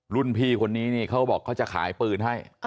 รุ่นพี่คนนี้เขาบอกเขาจะขายปืนให้